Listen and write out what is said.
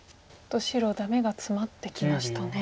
白ダメがツマってきましたね。